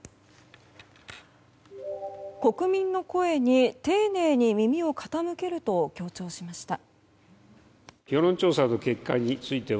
国民の声に丁寧に耳を傾けると強調しました。